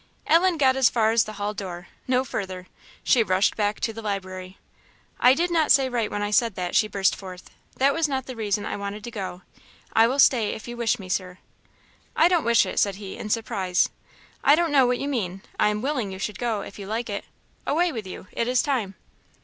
Ellen got as far as the hall door, no further; she rushed back to the library. "I did not say right when I said that," she burst forth; "that was not the reason I wanted to go. I will stay, if you wish me, Sir." "I don't wish it," said, he in surprise; "I don't know what you mean; I am willing you should go, if you like it. Away with you! it is time."